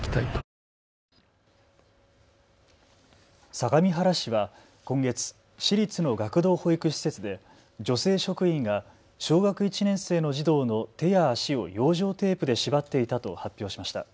相模原市は今月、市立の学童保育施設で女性職員が小学１年生の児童の手や足を養生テープで縛っていたと発表しました。